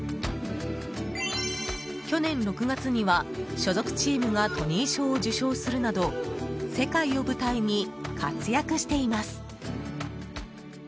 去年６月には、所属チームがトニー賞を受賞するなど世界を舞台に活躍しています。